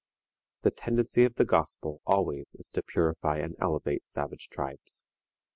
The tendency of the Gospel always is to purify and elevate savage tribes.